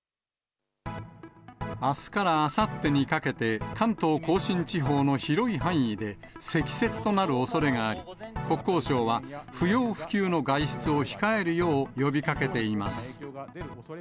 あすからあさってにかけて、関東甲信地方の広い範囲で、積雪となるおそれがあり、国交省は不要不急の外出を控えるよう呼びかけています。